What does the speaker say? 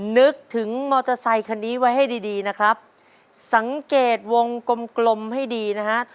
นึกถึงมอเตอร์ไซคันนี้ไว้ให้ดีดีนะครับสังเกตวงกลมกลมให้ดีนะฮะ